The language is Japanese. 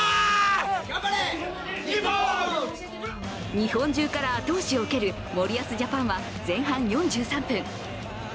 日本中から後押しを受ける森保ジャパンは前半４３分。